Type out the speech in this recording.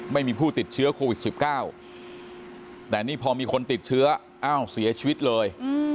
ไม่มีผู้ติดเชื้อโควิด๑๙แต่นี่พอมีคนติดเชื้ออ้าวเสียชีวิตเลย